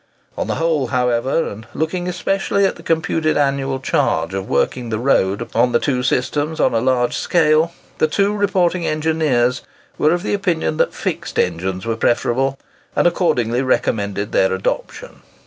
On the whole, however, and looking especially at the computed annual charge of working the road on the two systems on a large scale, the two reporting engineers were of opinion that fixed engines were preferable, and accordingly recommended their adoption.